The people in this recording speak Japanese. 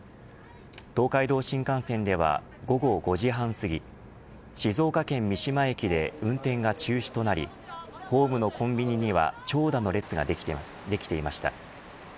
東海道新幹線では午後５時半すぎ静岡県三島駅で運転が中止となりホームのコンビニには長蛇の列ができていました。